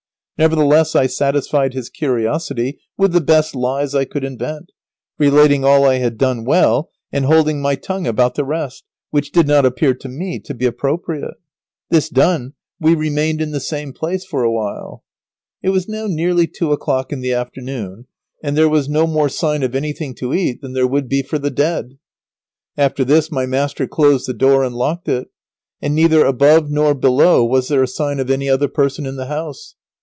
Nevertheless, I satisfied his curiosity with the best lies I could invent, relating all I had done well, and holding my tongue about the rest, which did not appear to me to be appropriate. [Sidenote: Nothing to eat in the esquire's house.] This done, we remained in the same place for a while. It was now nearly two o'clock in the afternoon, and there was no more sign of anything to eat than there would be for the dead. After this my master closed the door and locked it, and neither above nor below was there a sign of any other person in the house.